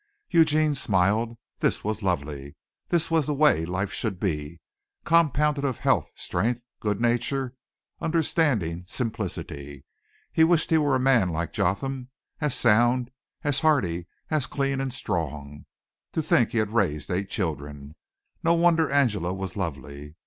Eugene smiled. This was lovely. This was the way life should be compounded of health, strength, good nature, understanding, simplicity. He wished he were a man like Jotham, as sound, as hearty, as clean and strong. To think he had raised eight children. No wonder Angela was lovely.